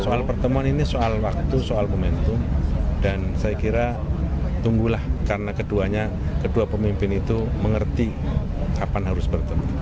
soal pertemuan ini soal waktu soal momentum dan saya kira tunggulah karena kedua pemimpin itu mengerti kapan harus bertemu